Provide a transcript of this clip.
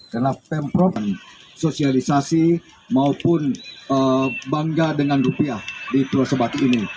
karena pemprov sosialisasi maupun bangga dengan rupiah di pulau sebatik ini